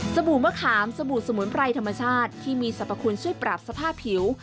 บู่มะขามสบู่สมุนไพรธรรมชาติที่มีสรรพคุณช่วยปรับสภาพผิว